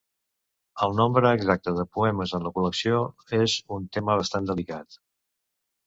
El nombre exacte de poemes en la col·lecció és un tema bastant delicat.